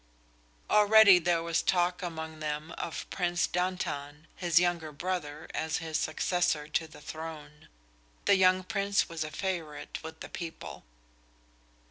Already there was talk among them of Prince Dantan, his younger brother, as his successor to the throne. The young Prince was a favorite with the people.